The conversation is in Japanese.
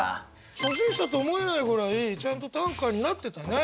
初心者と思えないぐらいちゃんと短歌になってたね。